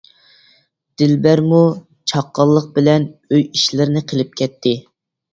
دىلبەرمۇ چاققانلىق بىلەن ئۆي ئىشلىرىنى قىلىپ كەتتى.